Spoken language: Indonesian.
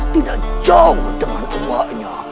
tidak jauh dengan uaknya